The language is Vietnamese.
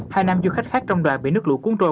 hai nam du khách khác trong đoàn bị nước lũ cuốn trôi